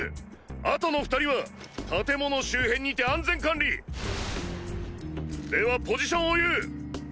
あとの２人は建物周辺にて安全管理。ではポジションを言う。